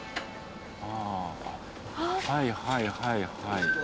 ああはいはいはいはい。